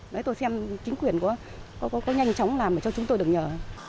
đấy tôi xem chính quyền có nhanh chóng làm cho chúng tôi được nhờ